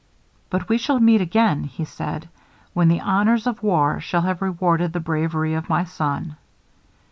"But we shall meet again," said he, "when the honors of war shall have rewarded the bravery of my son."